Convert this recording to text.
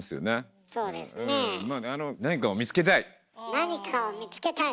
なにかを見つけたい。